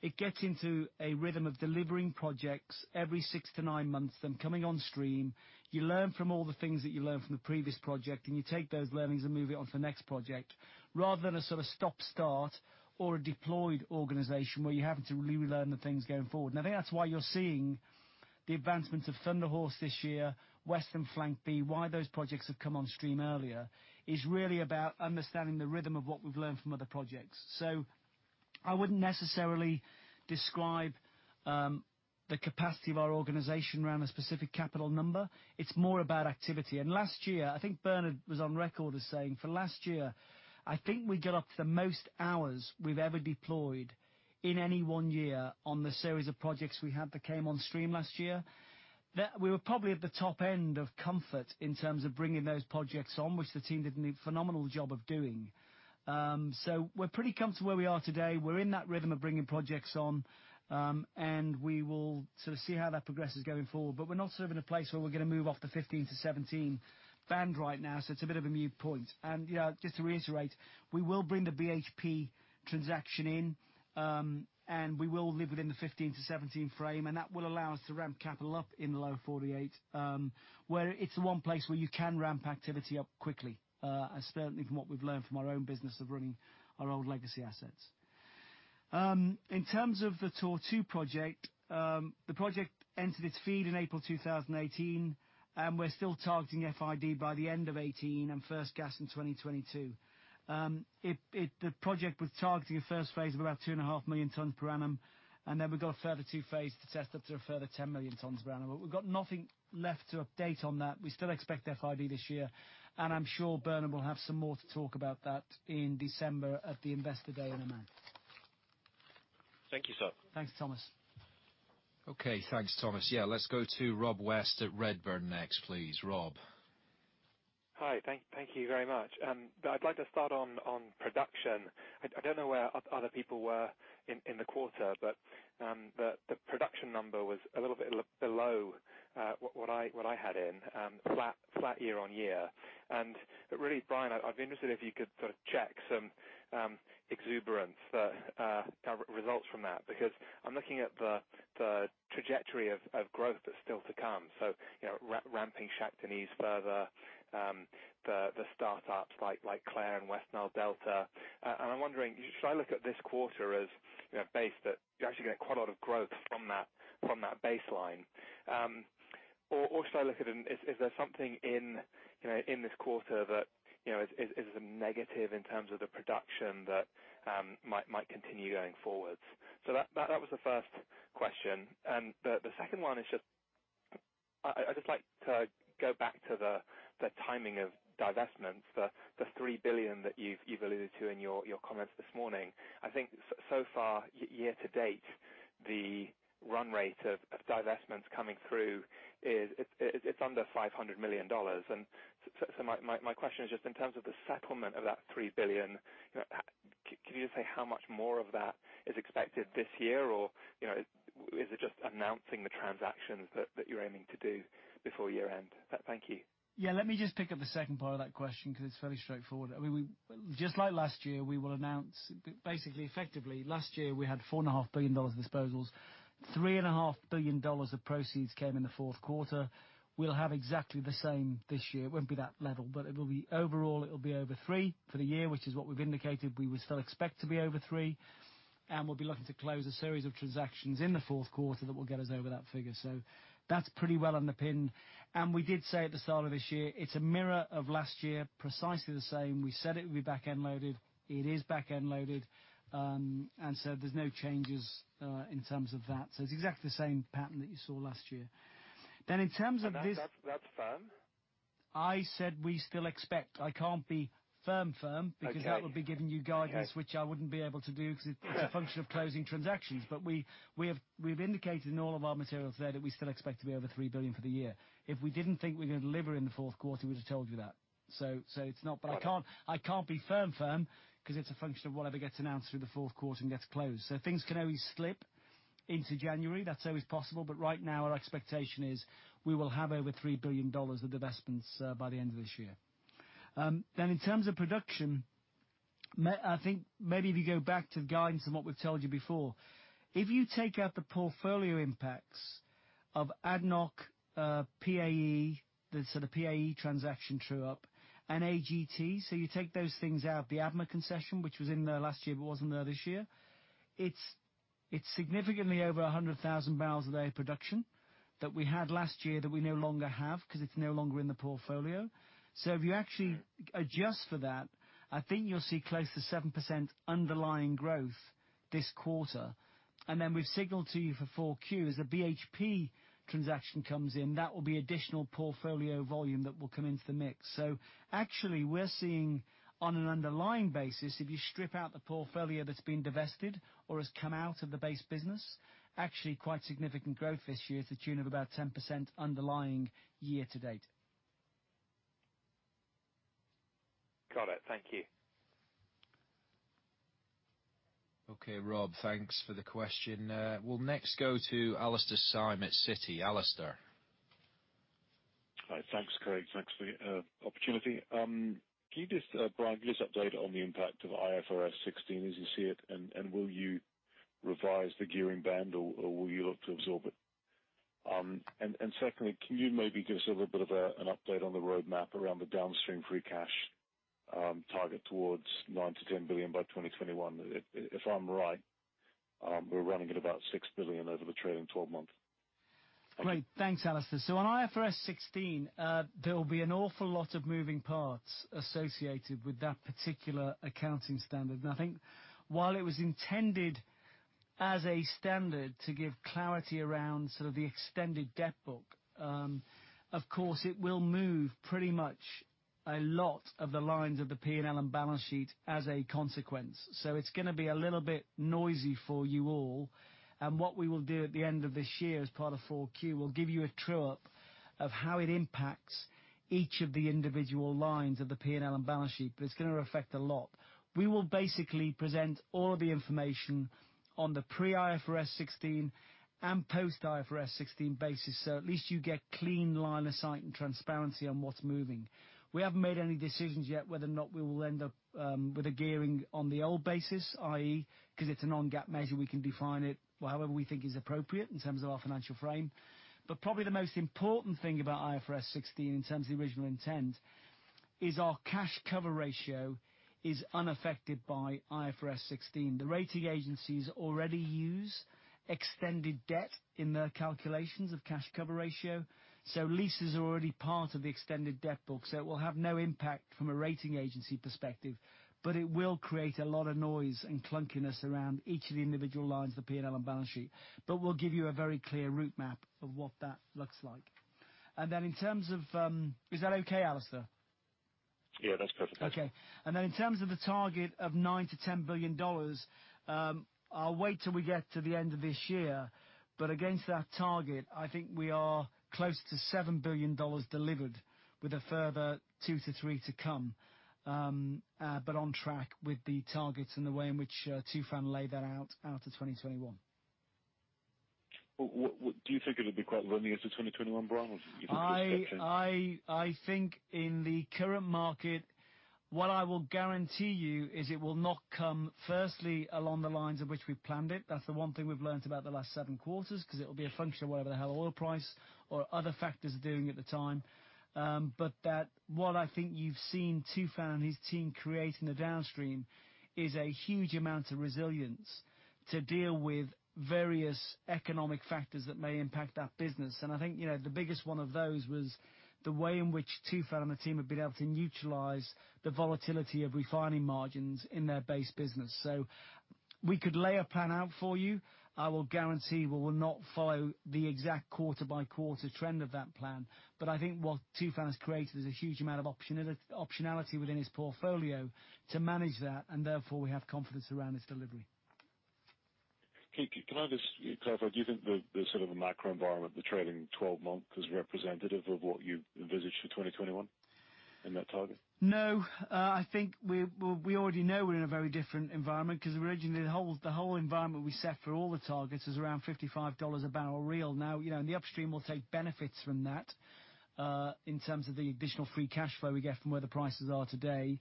it gets into a rhythm of delivering projects every six to nine months, them coming on stream. You learn from all the things that you learned from the previous project, and you take those learnings and move it on to the next project, rather than a sort of stop-start or a deployed organization where you're having to relearn the things going forward. I think that's why you're seeing the advancement of Thunder Horse this year, Western Flank B. Why those projects have come on stream earlier is really about understanding the rhythm of what we've learned from other projects. I wouldn't necessarily describe the capacity of our organization around a specific capital number. It's more about activity. Last year, I think Bernard was on record as saying for last year, I think we got up to the most hours we've ever deployed in any one year on the series of projects we had that came on stream last year. We were probably at the top end of comfort in terms of bringing those projects on which the team did a phenomenal job of doing. We're pretty comfortable where we are today. We're in that rhythm of bringing projects on, and we will sort of see how that progresses going forward. We're not sort of in a place where we're gonna move off the $15 billion-$7 billion band right now, so it's a bit of a moot point. You know, just to reiterate, we will bring the BHP transaction in, and we will live within the $15 billion-$17 billion frame, and that will allow us to ramp capital up in the Lower 48, where it's the one place where you can ramp activity up quickly, certainly from what we've learned from our own business of running our old legacy assets. In terms of the Tortue project, the project entered its FEED in April 2018. We're still targeting FID by the end of 2018 and first gas in 2022. The project was targeting a first phase of about 2.5 million tons per annum. Then we've got a further two phases to test up to a further 10 million tons per annum. We've got nothing left to update on that. We still expect FID this year, and I'm sure Bernard will have some more to talk about that in December at the Investor Day in Oman. Thank you, sir. Thanks, Thomas. Okay. Thanks, Thomas. Yeah, let's go to Rob West at Redburn next, please. Rob. Hi. Thank you very much. I'd like to start on production. I don't know where other people were in the quarter, but the production number was a little bit below what I had in, flat year on year. Really, Brian, I'd be interested if you could sort of check some exuberance that kind of results from that, because I'm looking at the trajectory of growth that's still to come. You know, ramping Shah Deniz further, the startups like Clair and West Nile Delta. I'm wondering, should I look at this quarter as, you know, a base that you're actually getting quite a lot of growth from that baseline? Or should I look at it, is there something in, you know, in this quarter that, you know, is a negative in terms of the production that might continue going forwards? That was the first question. The second one is just I'd just like to go back to the timing of divestments, the $3 billion that you've alluded to in your comments this morning. I think so far, year to date, the run rate of divestments coming through is under $500 million. My question is just in terms of the settlement of that $3 billion, you know, can you just say how much more of that is expected this year? You know, is it just announcing the transactions that you're aiming to do before year-end? Thank you. Let me just pick up the second part of that question because it's fairly straightforward. I mean, just like last year, we will announce last year, we had $4.5 billion of disposals. $3.5 billion of proceeds came in the fourth quarter. We'll have exactly the same this year. It won't be that level, but it will be overall, it'll be over $3 billion for the year, which is what we've indicated. We would still expect to be over $3 billion. We'll be looking to close a series of transactions in the fourth quarter that will get us over that figure. That's pretty well underpinned. We did say at the start of this year, it's a mirror of last year, precisely the same. We said it would be back-end loaded. It is back-end loaded. There's no changes in terms of that. It's exactly the same pattern that you saw last year. That's firm? I said we still expect. I can't be firm. Okay. because that would be giving you guidance Yeah. which I wouldn't be able to do. Yeah. It's a function of closing transactions. We've indicated in all of our materials there that we still expect to be over $3 billion for the year. If we didn't think we're gonna deliver in the fourth quarter, we'd have told you that. It's not- Right. I can't be firm 'cause it's a function of whatever gets announced through the fourth quarter and gets closed. Things can always slip into January. That's always possible. Right now our expectation is we will have over $3 billion of divestments by the end of this year. In terms of production, I think maybe if you go back to the guidance on what we've told you before. If you take out the portfolio impacts of ADNOC, PAE, the sort of PAE transaction true-up and AGT, you take those things out, the ADMA concession, which was in there last year but wasn't there this year. It's significantly over 100,000 bbl a day production that we had last year that we no longer have 'cause it's no longer in the portfolio. If you actually- Yeah. Adjust for that, I think you'll see close to 7% underlying growth this quarter. We've signaled to you for Q4, as the BHP transaction comes in, that will be additional portfolio volume that will come into the mix. Actually we're seeing on an underlying basis, if you strip out the portfolio that's been divested or has come out of the base business, actually quite significant growth this year to the tune of about 10% underlying year to date. Got it. Thank you. Okay, Rob, thanks for the question. We'll next go to Alastair Syme at Citi. Alastair. Hi. Thanks, Craig. Thanks for the opportunity. Can you just, Brian, give us an update on the impact of IFRS 16 as you see it, and will you revise the gearing band or will you look to absorb it? Secondly, can you maybe give us a little bit of an update on the roadmap around the downstream free cash target towards $9 billion-$10 billion by 2021? If I'm right, we're running at about $6 billion over the trailing 12 months. Great. Thanks, Alastair. On IFRS 16, there will be an awful lot of moving parts associated with that particular accounting standard. I think while it was intended as a standard to give clarity around sort of the extended debt book, of course it will move pretty much a lot of the lines of the P&L and balance sheet as a consequence. It's going to be a little bit noisy for you all. What we will do at the end of this year as part of Q4, we'll give you a true-up of how it impacts each of the individual lines of the P&L and balance sheet. It's going to affect a lot. We will basically present all of the information on the pre-IFRS 16 and post-IFRS 16 basis, at least you get clean line of sight and transparency on what's moving. We haven't made any decisions yet whether or not we will end up with a gearing on the old basis, id est because it's a non-GAAP measure, we can define it however we think is appropriate in terms of our financial frame. Probably the most important thing about IFRS 16 in terms of the original intent is our cash cover ratio is unaffected by IFRS 16. The rating agencies already use extended debt in their calculations of cash cover ratio, leases are already part of the extended debt book, it will have no impact from a rating agency perspective. It will create a lot of noise and clunkiness around each of the individual lines of the P&L and balance sheet. We'll give you a very clear route map of what that looks like. In terms of Is that okay, Alastair? Yeah, that's perfect. Thank you. Okay. Then in terms of the target of $9 billion-$10 billion, I'll wait till we get to the end of this year. Against that target, I think we are close to $7 billion delivered with a further $2 billion-$3 billion to come. On track with the targets and the way in which Tufan laid that out to 2021. Well, what do you think it'll be quite lumpy into 2021, Brian? Or do you think it'll be steady? I think in the current market, what I will guarantee you is it will not come firstly along the lines of which we planned it. That's the one thing we've learned about the last seven quarters, 'cause it'll be a function of whatever the hell oil price or other factors are doing at the time. That what I think you've seen Tufan and his team create in the downstream is a huge amount of resilience to deal with various economic factors that may impact that business. I think, you know, the biggest one of those was the way in which Tufan and the team have been able to neutralize the volatility of refining margins in their base business. We could lay a plan out for you. I will guarantee we will not follow the exact quarter-by-quarter trend of that plan. I think what Tufan has created is a huge amount of optionality within his portfolio to manage that, and therefore we have confidence around his delivery. Can I just clarify, do you think the sort of macro environment of the trailing 12 month is representative of what you envisage for 2021 in that target? I think we, well, we already know we're in a very different environment, because originally the whole environment we set for all the targets is around $55/bbl real. You know, in the upstream we'll take benefits from that. In terms of the additional free cash flow we get from where the prices are today,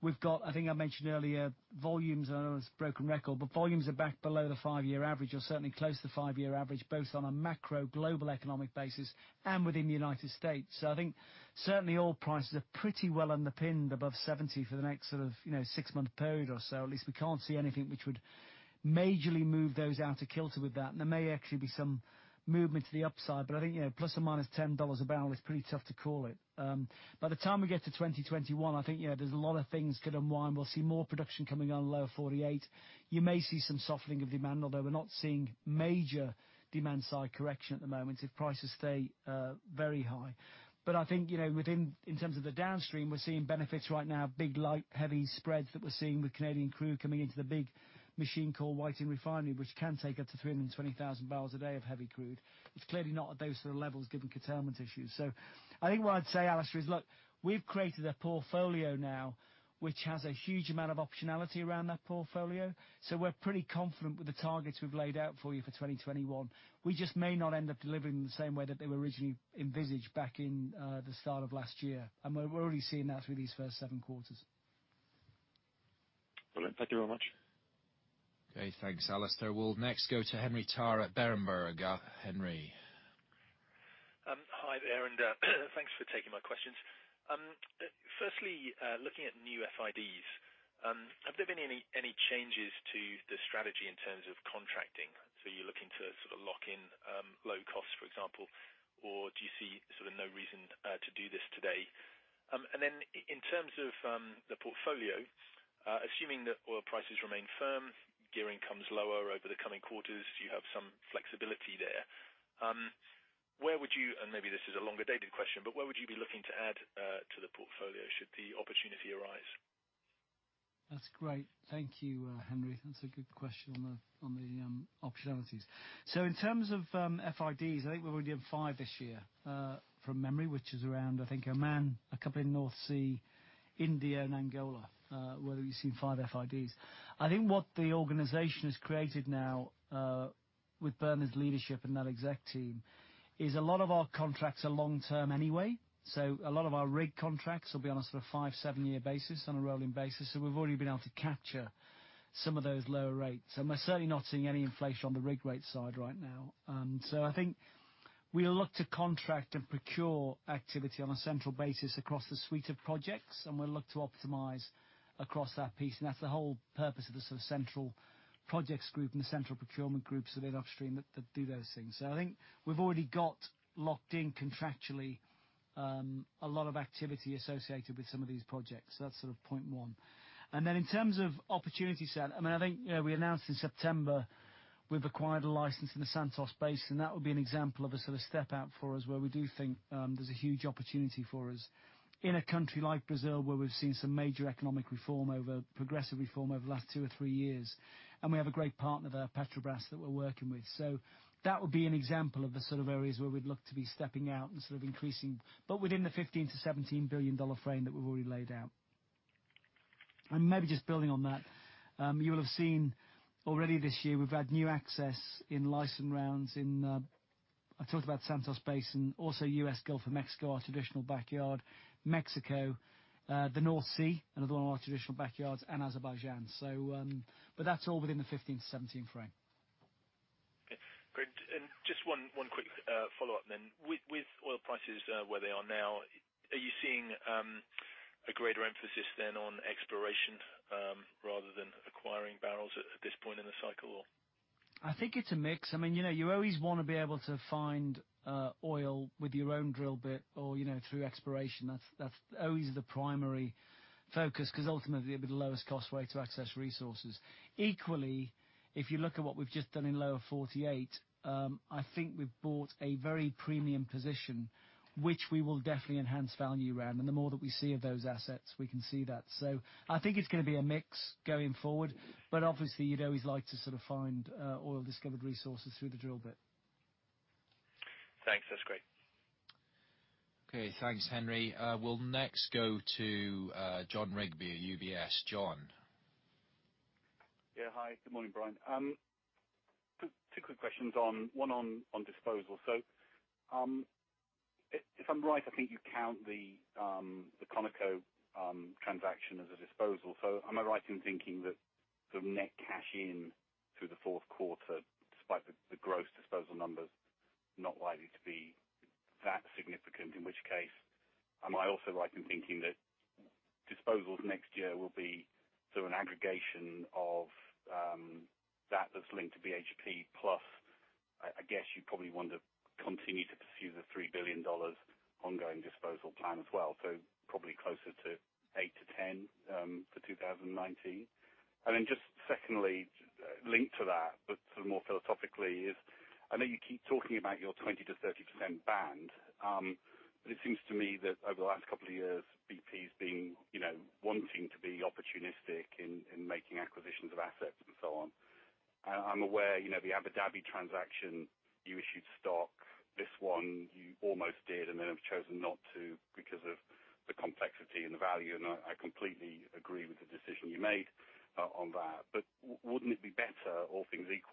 we've got I think I mentioned earlier, volumes are a broken record, but volumes are back below the five-year average or certainly close to five-year average, both on a macro global economic basis and within the U.S. I think certainly oil prices are pretty well underpinned above 70 for the next sort of, you know, six-month period or so. At least we can't see anything which would majorly move those out of kilter with that. There may actually be some movement to the upside, but I think, you know, ±$10/ bbl is pretty tough to call it. By the time we get to 2021, I think, you know, there's a lot of things could unwind. We'll see more production coming on Lower 48. You may see some softening of demand, although we're not seeing major demand side correction at the moment if prices stay very high. I think, you know, within, in terms of the downstream, we're seeing benefits right now, big light, heavy spreads that we're seeing with Canadian crude coming into the big machine called Whiting Refinery, which can take up to 320,000 bbl a day of heavy crude. It's clearly not at those sort of levels given curtailment issues. I think what I'd say, Alastair, is, look, we've created a portfolio now which has a huge amount of optionality around that portfolio. We're pretty confident with the targets we've laid out for you for 2021. We just may not end up delivering the same way that they were originally envisaged back in the start of last year. We're already seeing that through these first seven quarters. Brilliant. Thank you very much. Okay. Thanks, Alastair. We'll next go to Henry Tarr at Berenberg. Henry. Hi there, thanks for taking my questions. Firstly, looking at new FIDs, have there been any changes to the strategy in terms of contracting? You're looking to sort of lock in low costs, for example, or do you see sort of no reason to do this today? Then in terms of the portfolio, assuming that oil prices remain firm, gearing comes lower over the coming quarters, you have some flexibility there. Where would you, and maybe this is a longer-dated question, where would you be looking to add to the portfolio should the opportunity arise? That's great. Thank you, Henry. That's a good question on the, on the optionalities. In terms of FIDs, I think we've already done five this year, from memory, which is around I think Oman, a couple in North Sea, India and Angola, where we've seen five FIDs. I think what the organization has created now, with Bernard's leadership and that exec team is a lot of our contracts are long-term anyway. A lot of our rig contracts will be on a sort of five to seven year basis on a rolling basis. We're certainly not seeing any inflation on the rig rate side right now. I think we'll look to contract and procure activity on a central basis across the suite of projects, and we'll look to optimize across that piece. That's the whole purpose of the sort of central projects group and the central procurement group, so the upstream that do those things. I think we've already got locked in contractually, a lot of activity associated with some of these projects. That's sort of point one. In terms of opportunity set, I mean, I think, you know, we announced in September we've acquired a license in the Santos Basin. That would be an example of a sort of step out for us, where we do think there's a huge opportunity for us in a country like Brazil, where we've seen some major economic reform over progressive reform over the last two or three years. We have a great partner there, Petrobras, that we're working with. That would be an example of the sort of areas where we'd look to be stepping out and sort of increasing, but within the $15 billion-$17 billion frame that we've already laid out. Maybe just building on that, you'll have seen already this year we've had new access in license rounds in, I talked about Santos Basin, also U.S. Gulf of Mexico, our traditional backyard, Mexico, the North Sea, another one of our traditional backyards, and Azerbaijan. But that's all within the $15 billion-$17 billion frame. Okay, great. Just one quick follow-up then. With oil prices where they are now, are you seeing a greater emphasis than on exploration rather than acquiring barrels at this point in the cycle? I think it's a mix. I mean, you know, you always wanna be able to find oil with your own drill bit or, you know, through exploration. That's always the primary focus, 'cause ultimately it'll be the lowest cost way to access resources. Equally, if you look at what we've just done in Lower 48, I think we've bought a very premium position, which we will definitely enhance value around. The more that we see of those assets, we can see that. I think it's gonna be a mix going forward. Obviously, you'd always like to sort of find oil discovered resources through the drill bit. Thanks. That's great. Okay. Thanks, Henry. We'll next go to Jon Rigby at UBS. Jon. Yeah, hi. Good morning, Brian. Two ,quick questions on one on disposal. If I'm right, I think you count the ConocoPhillips transaction as a disposal. Am I right in thinking that the net cash in through the fourth quarter, despite the gross disposal numbers, not likely to be that significant? In which case, am I also right in thinking that disposals next year will be sort of an aggregation of that's linked to BHP plus I guess you probably want to continue to pursue the $3 billion ongoing disposal plan as well. Probably closer to $8 billion-$10 billion for 2019. Just secondly, linked to that, but sort of more philosophically is, I know you keep talking about your 20% to 30% band, but it seems to me that over the last couple of years, BP's been, you know, wanting to be opportunistic in making acquisitions of assets and so on. I'm aware, you know, the Abu Dhabi transaction, you issued stock. This one you almost did, have chosen not to because of the complexity and the value, and I completely agree with the decision you made on that. Wouldn't it be better, all things equal.